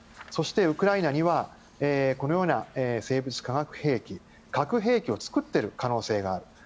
そして、ウクライナにはこのような生物化学兵器核兵器を作っている可能性がある。